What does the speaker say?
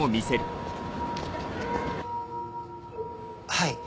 はい。